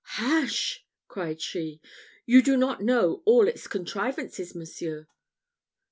"Hush!" cried she, "you do not know all its contrivances, monseigneur."